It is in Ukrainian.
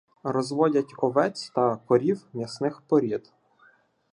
Розводять овець та корів м'ясних порід.